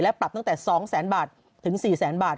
และปรับตั้งแต่๒๐๐๐๐๐บาทถึง๔๐๐๐๐๐บาท